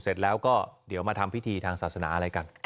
เสร็จแล้วก็เดี๋ยวมาทำพิธีทางศาสนาอะไรกัน